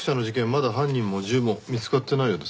まだ犯人も銃も見つかってないようですね。